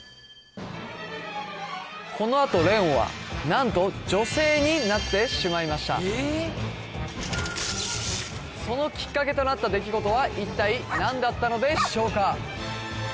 このあとレオンは何と女性になってしまいましたそのきっかけとなった出来事は一体何だったのでしょうか？